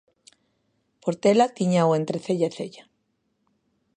Portela tíñao entre cella e cella.